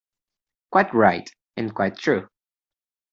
Quite right, and quite true.